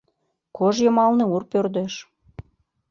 Кож йымалне ур пӧрдеш